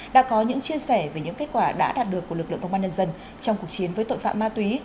đã có những chia sẻ về những kết quả đã đạt được của lực lượng công an nhân dân trong cuộc chiến với tội phạm ma túy